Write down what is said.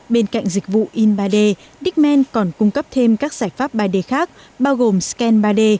bên cạnh dịch vụ in ba d diemen còn cung cấp thêm các giải pháp ba d khác bao gồm scan ba d